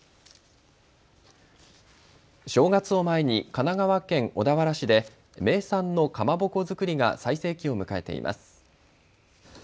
正月を前に神奈川県小田原市で名産のかまぼこ作りが最盛期を迎えています。